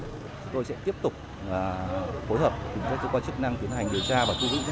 chúng tôi sẽ tiếp tục phối hợp với các cơ quan chức năng tiến hành điều tra và tiêu dụng